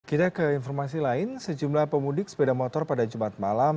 kita ke informasi lain sejumlah pemudik sepeda motor pada jumat malam